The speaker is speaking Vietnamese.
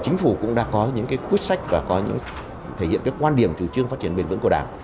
chính phủ cũng đã có những quyết sách và có những thể hiện các quan điểm chủ trương phát triển bền vững của đảng